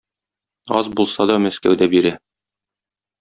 Аз булса да Мәскәү дә бирә.